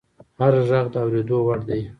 هر غږ د اورېدو وړ دی